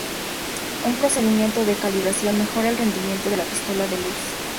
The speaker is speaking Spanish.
Un procedimiento de calibración mejora el rendimiento de la pistola de luz.